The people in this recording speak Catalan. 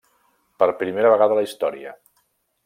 Per primera vegada a la història.